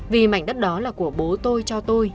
vì mảnh đất đó là của bố tôi cho tôi